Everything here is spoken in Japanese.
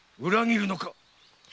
裏切るのか？